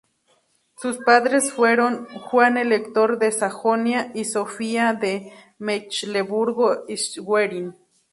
Sus padres fueron Juan Elector de Sajonia y Sofía de Mecklemburgo-Schwerin.